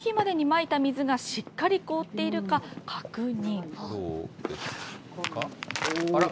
前の日までにまいた水がしっかり凍っているか確認。